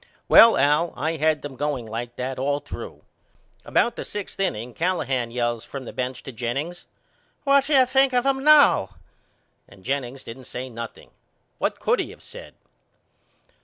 Well Al I had them going like that all through. About the sixth inning Callahan yells from the bench to Jennings What do you think of him now? And Jennings didn't say nothing. What could he of said?